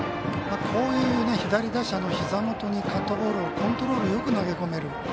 こういう左打者のひざ元にカットボールをコントロールよく、投げ込める。